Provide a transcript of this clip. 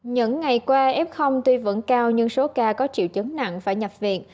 những ngày qua f tuy vẫn cao nhưng số ca có triệu chứng nặng phải nhập viện